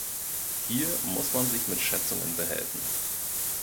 Hier muss man sich mit Schätzungen behelfen.